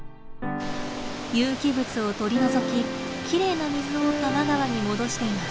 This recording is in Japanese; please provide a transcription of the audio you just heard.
有機物を取り除ききれいな水を多摩川に戻しています。